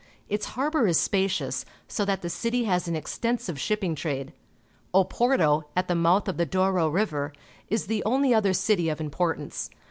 Its harbour is spacious, so that the city has an extensive shipping trade. Oporto, at the mouth of the Douro River, is the only other city of importance.